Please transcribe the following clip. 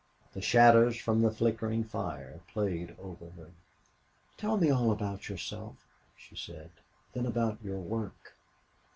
The shadows from the flickering fire played over her. "Tell me all about yourself," she said. "Then about your work."